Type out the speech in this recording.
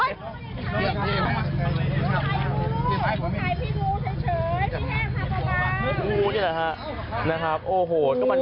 โอ้ยใช้กุ๊กใช้พี่กุ๊กเฉยพี่แห้งค่ะประมาณ